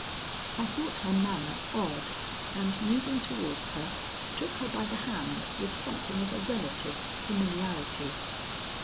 I thought her manner odd, and, moving towards her, took her by the hand with something of a relative's familiarity.